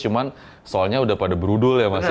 cuman soalnya udah pada brudul ya mas ya